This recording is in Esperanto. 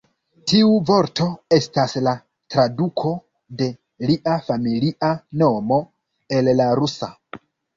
Tiu vorto estas la traduko de lia familia nomo el la rusa.